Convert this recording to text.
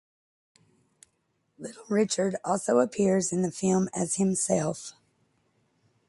Little Richard also appears in the film as himself.